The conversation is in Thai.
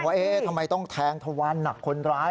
ว่าทำไมต้องแทงทวารหนักคนร้าย